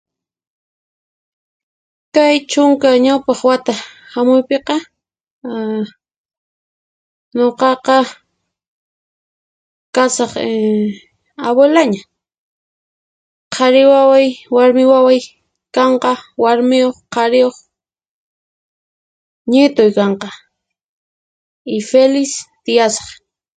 Kay chunka ñawpaq wata hamuypiqa ahh nuqaqa kasaq ehh abuelaña. Qhari waway warmi waway kanqa warmiyuq qhariyuq, ñituy kanqa. Y feliz tiyasaq.